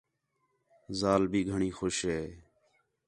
ذال بھی گھݨیں خوش ہے